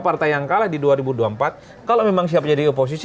partai yang kalah di dua ribu dua puluh empat kalau memang siap jadi oposisi